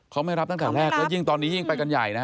เขาไม่รับตั้งแต่แรกแล้วยิ่งตอนนี้ยิ่งไปกันใหญ่นะ